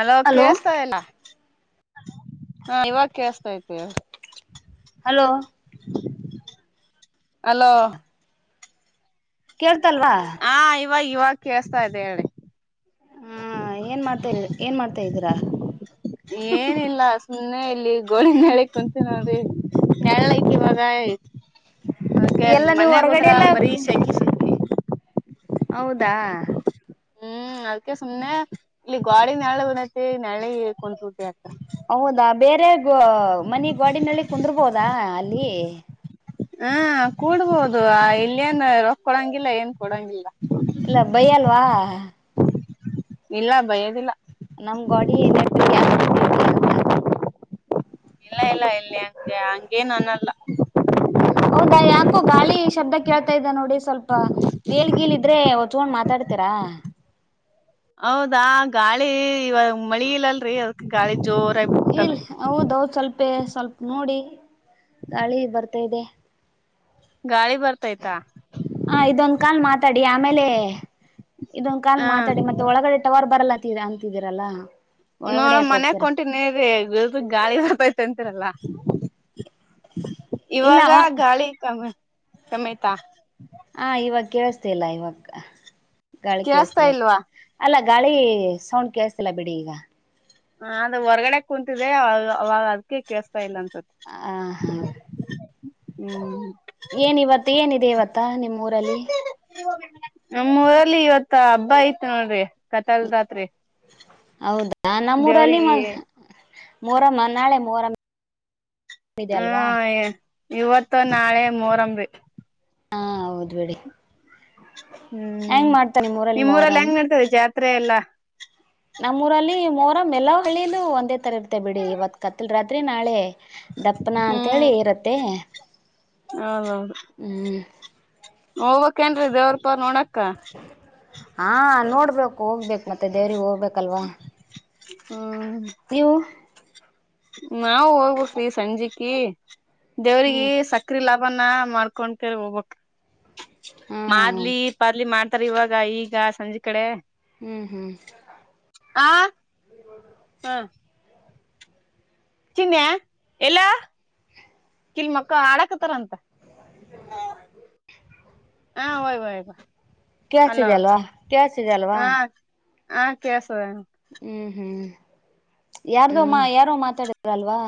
hello hello ಕೇಸ್ತಾ ಎಲ್ಲ ಹಾ ಇವಾಗ ಕೇಳಸ್ತ ತಿ ಹಲೋ ಅಲೋ ಕೇಳ್ತಲ್ವಾ ಹಾ ಇವಾಗ ಇವಾಗ ಕೇಳ್ಸ್ತಾ ಇದೆ ಹೇಳಿ ಹಾ ಏನ್ ಮಾಡ್ತಾ ಏನ್ ಮಾಡ್ತಾ ಇದೀರಾ ಏನಿಲ್ಲ ಸುಮ್ಮನೆ ಇಲ್ಲಿ ಗೋಳಿನ ನಳ ಕುಂತೀ ನ್ರಿ ನ ಅದ ಹ ಮನ್ ಹೊರಗಡೆ ಹೋದ್ರ ಎಲ್ಲ ಬರೀ ಶ ಹೌದಾ ಹ್ಮ್ ಅದ್ಕ ಸುಮ್ನೆ ಇಲ್ಲಿ ಗಾಡಿ ನೆಳ ಬರತಿ ನೆಳಿ ಕುಂುಟಿ ಆತ ಹೌದಾ ಬೇರೆ ಗ ಮನ ಗಾಡಿನಲ್ಲಿ ಕುಂದರ್ಬೋದಾ ಅಲ್ಲಿ ಹಾ ಕೂಡ್ಬೋುದು ಇಲ್ಲೇಏನ್ ರೊಕ್ ಕೊಡಂಗಿಲ್ಲ ಏನ್ ಕೊಡಂಗಿಲ್ಲ ಇಲ್ಲ ಬೈ ಅಲ್ವಾ ಇಲ್ಲ ಬಯೋದಿಲ್ಲ ನಮ್ ಗೋಡಿ ಏ ಗ್ಯಾಪ್ ಕುಂತಿದ್ಯಾಾ ಅಂತ ಇಲ್ಲ ಇಲ್ಲ ಎಲ್ಲಿ ಹಂಗೆ ಹಂಗೇನು ಅನ್ನಲ್ಲ ಹೌದಾ ಯಾಕೋ ಗಾಳಿ ಶಬ್ದ ಕೇಳ್ತಾ ಇದ್ದ ನೋಡಿ ಸ್ವಲ್ಪ ಏಳ್ಗೀಳಿದ್ರೆ ಒ ಚಗೊಂಡ್ ಮಾತಾಡ್ತೀರಾ ಹೌದಾ ಗಾಳಿ ಇವಾಗ ಮಳಿ ಇಿಲ್ಲಲ್ರಿ ಅದಕ್ ಗಾಳಿ ಜೋರಾಗಿ ಬಿಬಟ್ಟ ಇಲ್ ಹೌದೌದು ಸ್ವಲ್ಪೇ ಸ್ವಲ್ಪ ನೋಡಿ ಗಾಳಿ ಬರ್ತಾ ಇದೆ ಗಾಳಿ ಬರ್ತಾಯ್ತಾ ಹ ಇದೊಂದ್ ಕಾಲ್ ಮಾತಾಡಿ ಆಮೇಲೆ ಇದೊಂದ್ ಕಾಲ್ ಹ ಮಾತಾಡಿ ಮತ್ತೆ ಒಳಗಡೆ ಟವರ್ ಬರಲ್ಲಂತ ಅಂತಿದೀರಲ್ಲಾ ನೋಡ ಮನ್ಯ ಕೊಂಟಿನೇರಿ ಗಾಳಿ ಹತೈತಂತರಲ್ಲ ಇಲ್ಲ ಇವಾಗ ಹ ಗಾಳಿ ಕಮ ಕಮಯ್ತಾ ಹಾ ಇವಾಗ ಕೇಳಸ್ತಿ ಇಲ್ಲ ಇವಾಗ ಗಾಳಿ ಕೇಳಸ್ತಾ ಕೇಳಸ್ತಿಲ್ಲ ಇಲ್ವಾ ಅಲ್ಲ ಗಾಳಿ ಸೌಂಡ್ ಕೇಳತಿಲ್ಲ ಬಿಡಿ ಈಗ ಹ ಅದ ಹೊರ್ಗಡೆ ಕುೂಂತಿದೆ ಅವಾಗ ಅದಕ ಕೇಸ್ತಾ ಇಲ್ಲ ಅನ್ಸುತ್ತ ಆ ಹಾ ಹ್ಮ್ ಏನ ಇಿವತ್ತು ಏನಿದೆ ಇವತ್ತ ನಿಮ್ಮ ಊರಲ್ಲಿ ನಮ್ಮೂಊರಲ್ಲಿ ಇವತ್ ಹಬ್ಬ ಐತ್ ನೋಡ್ರಿ ಕತಲ್ ರಾತ್ರಿ ಹೌದಾ ನಮ್ಮೂರಲ್ಲಿ ದೇವ್ರಿಗೆ ಮೋರಮ್ಮ ನಾಳೆ ಮರಮ್ಮ ಹಾ ಇವತ್ತು ನಾಳೆ ಮೋರಂಬಿ ಹಾ ಹೌದ್ಬೇಡಿ ಹ್ಮ್ ಮಾಡ್ತಾರೆ ನಿಮ್ಮೂರಲ್ಲಿ ಮೊಹರಂ ಹೆಂಗ್ ನಡ್ತದೆ ಜಾತ್ರೆ ಎಲ್ಲಾ ನಮ್ಮೂಊರಲ್ಲಿ ಮೋರ ಮೆಲೋ ಹಳ್ಳಿಯಲು ಒಂದೇ ಥರ ಇರ್ತ್ತೆ ಬಿಡಿ ಇವತ್ತು ಕತ್ತಲು ರಾತ್ರಿ ನಾಳೆ ದಪ್ಪನ ಅಂಂತೇಳಿ ಹ್ಮ್ ಇರುತ್ತೆ ಹೌದೌದು ಹ್ಮಞ ಹೋಗ್ಕ್ೇಏನ್ರೀ ದೇವ್ರ ಪ ನೋಡಕ್ಕ ಹಾ ನೋಡ್ಬೇಕು ಹೋಗ್ಬೇಕು ಮತ್ತೆ ದೇವ್ರರಿಗೆಗ್ ಹೋಗ್ಬೇಕ ಬೇಕಲ್ವಾ ನೀವು ನಾವವು ಹೋಗ್ಬವಿ ಸಂಜೆಕ ದೇವ್ರಿಗೆ ಹ್ಮ್ ಸಕ್ಕ ಚಕ್ರಿ ಲಾಭನ ಮಾಡ್ಕೊಂಡ ಕರ್ ಹೋಗ್ಬಕ್ ಹ್ಮ್ ಮಾಡದ್ಲಿ ಪಾದ್ಲಿ ಮಾಡ ತರ್ ಇವಾಗ ಈಗ ಸಂಜೆ ಕಡೆ ಹ್ಮ್ ಹ್ಮ್ ಆ ಹಾ ಚಿನ್ನನೆ ಎಲ್ಲ ಕಿಲ್ ಮಕ್ಕ ಆಡಾಕತಾರ ಅಂತ ಹಾ ಹಯ್ ಹಯ್ ಕಳ್ಸಿದೆ ಅಲ್ವಾ ಕಳ್ಸಿದೆ ಅಲ್ವಾ ಹಾ ಕಸದ ಹ್ಮ್ ಹ್ಮ್ ಯಾರ್ದೋ ಮಾ ಹ್ಮ್ ಯಾರೋ ಮಾತಾಡಿದಾರಲ್ವಾ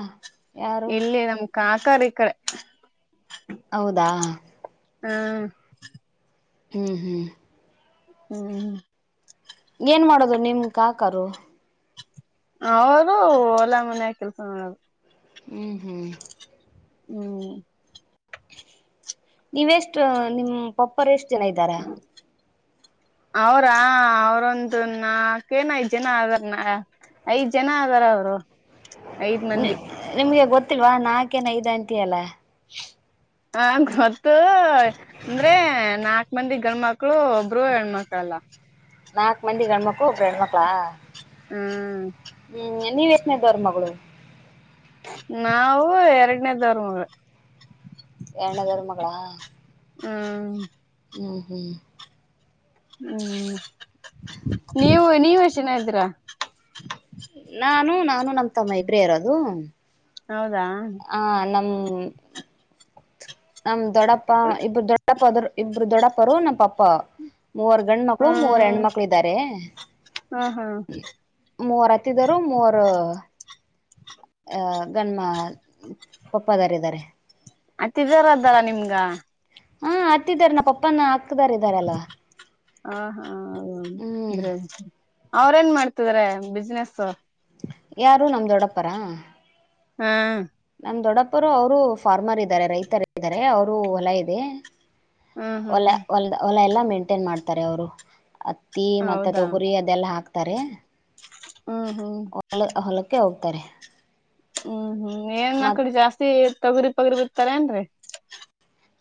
ಎಲ್ಲಿ ನಮ್ ಕಾಕಾರಿ ಕಡೆ ಹೌದಾ ಹಾ ಹ್ಮ್ ಹ್ಮ್ ಹ್ಮ್ ಏನ್ ಮಾಡೋದು ನಿಮ್ ಕಾಕರುು ಅವರು ಒಲ್ಲ ಮನೆಯ ಕೆಲ್ಸ ಮಾಡರು ಹ್ಮ್ ಹ್ಮ್ ಹ್ಮ್ ನೀವೆ ಎಷ್ಟ ನಿಮ್ಮ್ ಪಪ್ಪರ್ ಎಷ್ಟ್ ಜನ ಇದ್ದಾರ ಅವ್ರಾ ಅವರೊಂದು ನಾಲ್ಕೇನಾಯ ಜನ ಆದರ್ನ ಐದ್ ಜನ ಆದದಾರ ಅವರು ಐದ್ ಮಂದಿ ನಿಮ್ಗೆ ಗೊತ್ತಿಲ್ವಾ ನಾಕೇನ್ ಐದ್ ಅಂಟ ಅಲ್ಲ ಹ ಗೊತ್ತು ಅಂದ್ರೆ ನಾಕ ಬಂದಿ ಗಂಡ್ಮಕ್ಳು ಒಬ್ರು ಹೆಣ್ಮಕ್ಳಲ್ಲಾ ನಾಕು ಮಂದಿ ಗಣಮಕ್ಕು ಒಬ್ ಗಣಮಕ್ಕಳಾ ಹ್ಮ ಹ್ಮ್ ನೀವ್ ಎತ್ನ ಇದಾವರು ಮಗಳು ನಾವು ಎರಡನೇದವರ್ ಮ ಎರ್ಣನದರ ಮಗಳ ಹ್ಮ ಹ್ಮ ಹ್ಮ ಹ್ಮ್ ನೀವು ನೀವಷ್ಟನೀ್ರಾ ನಾನು ನಾನು ನಮ್ಮ್ ತಮ್ಮ ಇಬ್ರೇ ಇರೋದು ಹೌದಾ ಹ ನಮ್ ನಮ ದೊಡ್ಡಪ್ಪ ಇಬರು ದೊ ದೊಡಪ ಇಬ್ಬರು ದೊಡಪರ ನಮ್ಮ ಪಾಪಾ ಮೂವರ್ ಗಂಡ ಮಕ್ಳು ಮೂವರ್ ಹೆಣ ಮಕ್ಳು ಇದ್ದಾರೆ ಹಾ ಹಾ ಮೂವರ ಹತ್ತಿದರು ಮೂರ ಅ ಗಣ್ಮ ಪಪ್ಪದಾರಿದ್ದಾರೆ ಮತ್ತ ಇದರದಲ್ಲ ನಿಮ್ಗ ಹಾ ಹತ್ತಿದಿದ್ದಾರೆ ನಮ್ಮ ಪಪ್ಪನ ಹಾಕ್ದಾರ ಇದ್ದಾರೆ ಅಲ್ಲವಾ ಹ ಹಾ ಹ್ಮ್ ಅಂದ್ರೆ ಅವ್ರೇನ್ ಮಾಡ್ತಿದ್ರ ಬಿಸ್ನೆೆಸ್ ಯಾರು ನಮ ದೊಡ್ಡಪ್ಪರಾ ಹಾ ನಮ ದೊಡ್ಡಪ್ಪರು ಅವರು ಫಾರ್ಮರ್ ಇದ್ದಾರೆ ರೈತರು ಇದಾರೆ ಅವರು ಹೊಲ ಇದೆ ಹ್ಮ್ ಒಲ ಹ್ಮ್ ಹೊಲ ಹೊಲ ಎಲ್ಲ ಮೇಂಟೈನ್ ಮಾಡ್ತಾರೆ ಅವರು ಅತ್ತಿ ಮತ್ತೆ ತೊಗುರಿ ಇದೆಲ್ಲ ಹಾಕ್ತಾರೆ ಹಾ ಹ್ಮ ಹೊಲ ಹೊಲಕ್ಕೆ ಹೋಗ್ತಾರೆ ಹ್ಮ್ ಹ್ಮ್ ಏನ್ ಮತ್ ಮಕ್ಳ ಜಾಸ್ತಿ ತೊಗರಿ ಪಗರಿ ಬಿರ್ತಾರ ಏನ್ರರಿ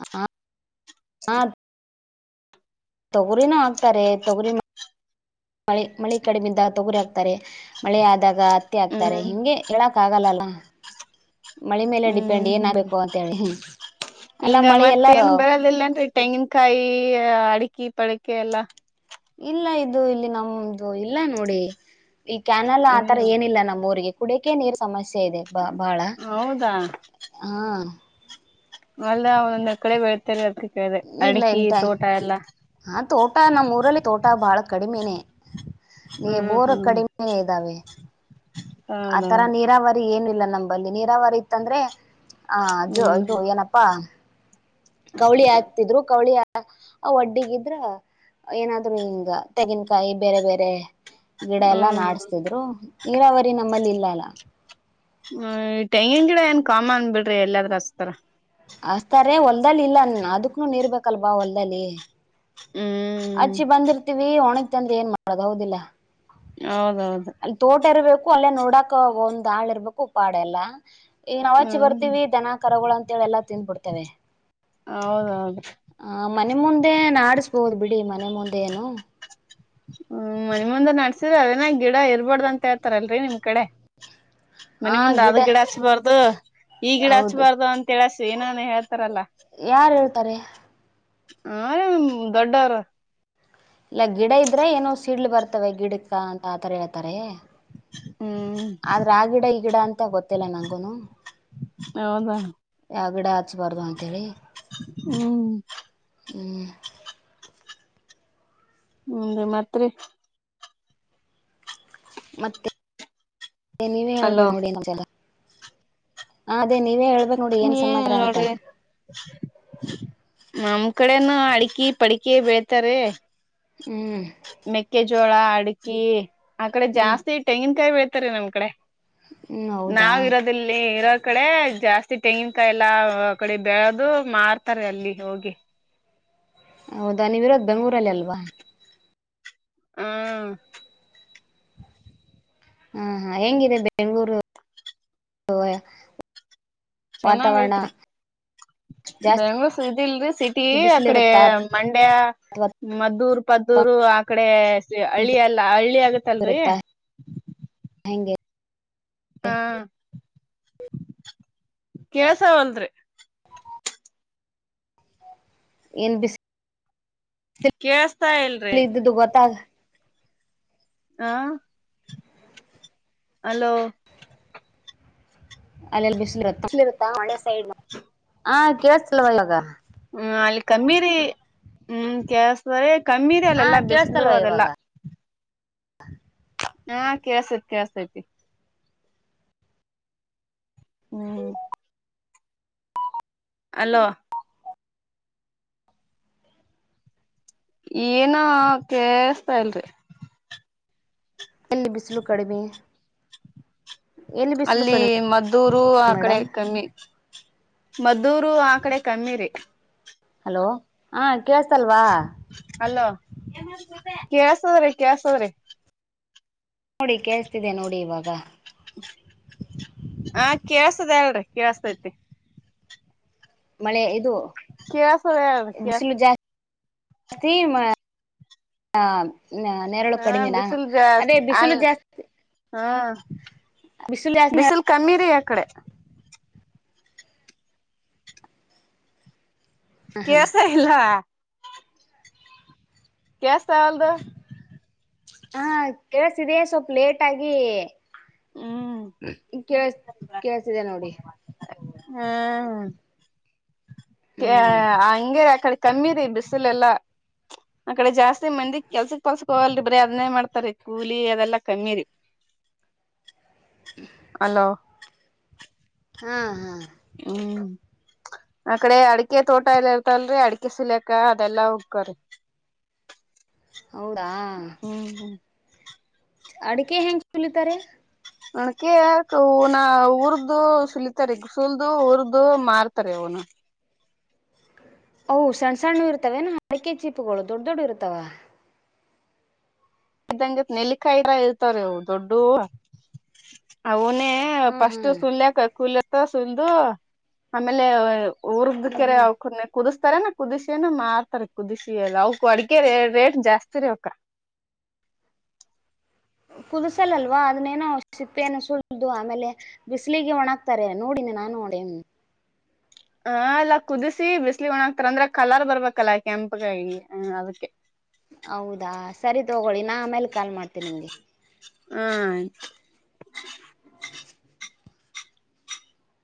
ಹ ಹಾ ತೊಗರಿನ ಹಾಕ್ತಾರೆ ತೊಗರಿ ಮಳೆ ಮಳೆ ಕಡಿಮಿಂದ ತೊಗುರಿ ಹಾಕ್ತಾರೆ ಮಳೆ ಆದಾಗ ಆಗ್ತಾರೆ ಹ್ಮ್ ಹಿಂಗೆ ಹೇಳಕ್ ಆಗಲ್ಲಲ್ಲ ಮಳೆ ಮೇಲೆ ಡಿಪೆಂಡ್ ಹ್ಮ್ ಏನ್ ಹ್ಮ್ ಆಗ್ಬೇಕು ಅಂತ ಹೇಳಿ ಅಲ್ಲಾ ಹಿಂಗ ಮಳೆ ಮತ್ತ ಎಲ್ಲ [unintelligible] ತೆಂಗಿನಕಾಯಿ ಅಡಿಕಿ ಪಳಕೆ ಎಲ್ಲ ಇಲ್ಲ ಇದು ಇಲ್ಲಿ ನಮ್ದು ಇಲ್ಲ ನೋಡಿ ಈ ಕ್ಯಾನಲ್ ಆತರ ಇಲ್ಲ ಏನಿಲ್ಲ ನಮ್ಮ ಊರಿಗೆ ಉಡಿಕೆ ನೀರ್ ಸಮಸ್ಯೆ ಇದೆ ಬ ಬಾಳ ಹೌದಾ ಹಾ ಅಲ್ಲ [unintelligible] ಕಡೆ [unintelligible] ಅದಕ್ಕೆ ಕೇಳ್ದೆ ಇಲ್ಲ ಅಡಿಕಿ ಇಲ್ತ ತೋಟ ಎಲ್ಲಾ ಹಾ ತೋಟ ನಮ್ಮ ಊರಲ್ಲಿ ತೋಟ ಬಾಳ ಕಡಿಮೆನೇ ಏ ಹ್ಮ್ ಬೋರ್ ಹ್ಮ್ ಕಡಿಮೆ ಇದ್ದಾವೆ ಆ ತರ ಹೌದೌದು ನೀರಾವರಿ ಏನಿಲ್ಲ ನಂಬಲ್ಲಿ ನೀರಾವರಿ ಇತ್ತಂದ್ರೆ ಆ ಜೋ ಹ್ಮ್ ಇದು ಏನಪ್ಪಾ ಕವಳಿ ಹಾಕ್ತಿದ್ರು ಕವಳಿ ಆ ಒಡ್ಡಿಗಿದ್ರ ಏನಾದ್ರು ಹಿಂಗ ತೆಂಗಿನಕಾಯಿ ಬೇರೆ ಬೇರೆ ಗಿಡ ಎಲ್ಲಾ ಹ್ಮ್ ಹ್ಮ್ ನಾಡ್ಸ್ತಿದ್ರು ನೀರಾವರಿ ನಮ್ಮಲ್ಲಿ ಇಲ್ಲ ಅಲ್ಲ ಹ್ಮ ತೆಂಗಿನ ಗಿಡ ಏನ್ ಕಾಮನ್ ಬಿಡ್ರಿ ಎಲ್ಲಾದ್ರು ಹಚ್ತರ ಹಚ್ತಾರೆ ಹೊಲ್ದಲ್ಲಿ ಇಲ್ಲ ಅದಕ್ಕನು ನೀರ್ ಬೇಕಲ್ವಾ ಹೊಲ್ದಲ್ಲಿ ಹ್ಮ್ ಅಚ್ಚಿ ಬಂದಿರ್ತಿವಿ ಒಣಗ್ ತಂದ್ರೆ ಏನ್ ಮಾಡೋದು ಹೌದಿಲ್ಲ ಹೌದೌದು ತೋಟ ಇರ್ಬೇಕು ಅಲ್ಲೇ ನೋಡಕ ಒಂದ್ ಆಳ ಇರ್ಬೇಕು ಪಾಡೆ ಎಲ್ಲ ಇಂಗ್ ನವಾಚಿ ಹ್ಮ್ ಬರ್ತೀವಿ ದನ ಕರಗಳು ಅಂತೇಳಿ ಎಲ್ಲಾ ತಿನ್ಬಿಡ್ತೀವಿ ಹೌದೌದು ಹ ಮನೆ ಮುಂದೆ ನಾಡಿಸಬೋದು ಬಿಡಿ ಮನೆ ಮುಂದೆ ಏನು ಹ್ಮ್ ಮನಿ ಮುಂದ ನಡ್ಸಿದ್ರ ಅದೇನ ಗಿಡ ಇರ್ಬಾದು ಅಂತ ಹೇಳ್ತಾರಲ್ರಿ ನಿಮ್ ಕಡೆ ಮನಿ ಮುಂದ್ ಆದ್ ಗಿಡ ಹಚ್ಬಾರ್ದು ಈ ಗಿಡ ಹೌದು ಹಚ್ಬಾರ್ದು ಅಂತ [unintelligible] ಏನಾನ ಹೇಳ್ತಾರಲ್ಲಾ ಯಾರ್ ಹೇಳ್ತಾರೆ ಹ ನಿಮ್ ದೊಡ್ಡೋರು ಇಲ್ಲ ಗಿಡ ಇದ್ರೆ ಏನೋ ಸಿಡ್ಲ್ ಬರ್ತವೆ ಗಿಡಕ್ಕ ಅಂತ ಆತರ ಹೇಳ್ತಾರೆ ಹ್ಮ್ ಆದ್ರೆ ಆ ಗಿಡ ಈ ಗಿಡ ಅಂತ ಗೊತ್ತಿಲ್ಲ ನಂಗೂನು ಹೌದಾ ಯಾವ ಗಿಡ ಹಚ್ಬಾರ್ದು ಅಂತ ಹೇಳಿ ಹ್ಮ ಹ್ಮ್ ಹ್ಮ್ ಮತ್ ರಿ ಮತ್ತೆ ನೀವೇ ಅಲೋ ಹೇಳ್ಬೇಕು ನೋಡಿ [unintelligible] ಅದೇ ನೀವೇ ಹೇಳ್ಬೇಕು ನೋಡಿ ನೀ ಏನ್ ಸಮಾಚಾರ ಅಂತ ನೋಡ್ರಿ ನಮ್ ಕಡೆನು ಅಡ್ಕಿ ಪಡಿಕಿ ಬೆಳೀತಾರೆ ಹ್ಮ್ ಮೆಕ್ಕೆಜೋಳ ಅಡಿಕಿ ಆಕಡೆ ಹ್ಮ್ ಜಾಸ್ತಿ ತೆಂಗಿನಕಾಯಿ ಬೆಳೀತಾರೆ ನಮ್ ಕಡೆ ಹ್ಮ್ ಹೌದಾ ನಾವ್ ಇರೋದು ಇಲ್ಲಿ ಇರೋ ಕಡೆ ಜಾಸ್ತಿ ತೆಂಗಿನಕಾಯ ಎಲ್ಲ ಕಡೆ ಬೆಳ್ದು ಮಾರ್ತಾರೆ ಅಲ್ಲಿ ಹೋಗಿ ಹೌದಾ ನೀವಿರೋದ್ ಬೆಂಗಳೂರಲ್ಲಿ ಅಲ್ವಾ ಹಾ ಹ ಹಾ ಅದು ಹೆಂಗಿದೆ ಬೆಂಗಳೂರು [unintelligible] ಚೆನ್ನಾಗ ವಾತಾವರಣ ಐತ್ರಿ ಜಾಸ್ತಿ ಬೆಂಗ್ಳೂರ್ ಇದಿಲ್ರಿ ಸಿಟಿ ಅಕಡೆ ಬಿಸಿಲಿರುತ್ತಾ ಮಂಡ್ಯ ಅಥವಾ ಮದ್ದೂರ್ ಪದ್ದೂರು ಆ ಕಡೆ ಹಳ್ಳಿ ಎಲ್ಲ ಹಳ್ಳಿ ಆಗುತ್ತ ಇರುತ್ತೆ ಹೆಂಗೆ ಹಾ ಕೇಶವ್ ಅಂದ್ರಿ ಏನ್ ಬಿಸ ಕೇೇಳಸ್ತಾ ಇಲ್ರಿ ಗತ್ತಾಗ ಹಾ ಹಲೋ ಅಲ್ಲೆಲ್ಲಿ ಬಿಸಿ್ಲುರುತ್ತತ್ತ ಆ ಕೇಳಲ್ಲವ ಅವವಾಗ ಹ್ಮ್ ಅಲ್ಲಿ ಕಮ್ಮೀರಿ ಹ್ಮ್ ಕೆಳ್ಸ್ರ ಕಮ್ಮೀರಿ ಹಾ ಅಲ್ಲೆಲ್ಲಾ ಬಿಸಲು ಕೇಳಸ್ತಲ್ವಾ ಇವಾಗ ಅದೆಲ್ಲಾ ಹಾ ಕೇಸೈತಿ ಕೇಳ್ಸತೈತಿ ಹ್ಮ್ ಅಲೋ ಏನ ಕೇಸ್ತಾ ಇಲ್ರಿ ಇಲ್ಲಿ ಬಿಸಿಲು ಕಡಿಮೆ ಎಲ್ಲಿ ಬಿಸಿಲು ಅಲ್ಲಿ ಕಡಿಮೆ ಮದ್ದೂರು ಆ ಕಡೆ ಮೇಡಮ್ ಕಮ್ಮಿ ಮದ್ದೂರು ಆ ಕಡೆ ಕಮ್ಮಿ ರೀ ಹಲೋ ಹಾ ಕೇಳಸ್ತಲ್ವಾ ಅಲ್ಲೋ ಕಳ್ಸದ್ರಿ ಕೇಳ್ಸದ್ರಿ ನೋಡಿ ಕೇಳ್ಸ್ತಿದೆ ನೋಡಿ ಇವಾಗ ಆ ಕೇಳ್ಸದ ಹೇಳರಿ ಕೇೇಳಸತೈತಿ ಮಳೆ ಇದು ಕಸ ಯ ಕಸ ಅಸ್ತಿ ಮ ನೆರಳು ಹಾ ಕಡಿಮೆಿನ ಬಿಸಿಲ್ ಅದೇ ಜಾಸ್ತಿ ಬಿಸಿಲು ಅಲ್ ಜಾಸ್ತಿ ಹಾ ಬಿಸಿಲು ಜಾಸ್ತಿ ಬಿಸಿಲ್ ಕಮ್ಮಿರಿ ಯ ಕಡೆ ಕೆಸ ಇಲ್ಲ ಕಸ್ ವಲ್ದು ಹಾ ಕೆಲಸ ಇದೆ ಸ್ವಲ್ಪ ಲೇಟ್ ಆಗಿ ಹ್ಮ್ ಕೇ ಕೇಳ್ಸಿದೆ ನೋಡಿ ಹಾ ಹ ಹ್ಮ್ ಹಂಗಗೆ ಆಕಡೆ ಕಮ್ಮಿ ರೀ ಬಿಸಿಲೆಲ್ಲಾ ಆ ಕಡೆ ಜಾಸ್ತಿ ಮಂದಿ ಕೆಲ್ಸಕ್ ಪಲ್ಸ್ಕ ಹೋಗಲ್ರಿ ಬ್ರಿ ಅದನ್ನೇ ಮಾಡ್ತಾರಿ ಕೂಲಿ ಅದೆಲ್ಲಾ ಕಮ್ಮಿ ರರಿ ಅಲೋ ಹಾ ಹಾ ಹ್ಮ್ ಆಕಡೆ ಅಡಿಕೆ ತೋಟ ಎಲ್ಲ ಇರ್ತಲ್ರರಿ ಅಡಿಕೆ ಸಿಲಕ ಅದೆಲ್ಲಾ ಹಕ್ರರಿ [unintelligible] ಹೌದಾ ಹ್ಮ್ ಹ್ಮ್ ಅಡಿಕೆ ಹೆಂಗೆ ಚುಲಿತಾರೆ ನನಕ ಅವನ ಉರ್ದು ಸುಲಿತಾರೆ ಸುಲದುು ಉರ್ದು ಮಾರ್ತಾರೆ ಅವನು ಹ್ ಸಣ್ಣ ಸಣ್ಣ ಇರ್ತವೇಏನ ಅಡಿಕೆ ಚೀಪುಗಳು ದೊಡ್ಡ ದೊಡ್ ಇರ್ತವೆ ಇದಂಗತ್ ನೆಲ್ಲಿಕಾಯಿದ ಇರ್ತಾರ ಅವು ದೊಡ್ಡ ಅವನೇ ಹಾ ಹಾ ಫಸ್ಟ್ ಸುಲ್ಕ ಕೂಲತ್ತ ಸು್ದು ಆಮೇಲೆ ಊರ್ದ್ದ ಹ್ಮ್ ಕೆರೆ ಹ್ಮ್ ಅವ್ಕನ್ನೆ ಕುದಿಸ್ತಾರನ ಕುದಿಸಿನ ಮಾಡ್ತಾರೆ ಕುದಿಸಿಿ ಎಲ್ಲ ಅವಕ್ ಅಡಗೆ ರೇಟ್ ಜಾಸ್ತಿ ರೀ ಅವಕ್ಕ ಕುದ್ಸಲಲ್ವಾ ಅದನ್ನೇನೋ ಔಷಿಪ್ಪ ಏನ ಸುಳ್ದು ಆಮೇಲೆ ಬಿಸ್ಲಿಗೆ ಒಣಾಗಕ್ತಾರೆ ನೋಡಿನಿ ನಾನ್ ನೋಡಿನಿ ಹ ಅಲ್ಲ ಕುದಿಸಿ ಬಿಸ್ಲಿಗ ಒಣಾಕ್ತಾರ ಅಂದ್ರ ಕಲರ್ ಬರಬೇಕಲ್ಲ ಕೆಂಪಗಾಗಿ ಹ ಅದಕ್ಕೆ ಹೌದಾ ಸರಿ ತಗೊಳ್ಳಿ ನಾ ಆಮೇಲೆ ಕಾಲ್ ಮಾಡ್ತೇನೆ ನಿಮಗೆ ಹಾ ಆಯ್ತು [inaudible]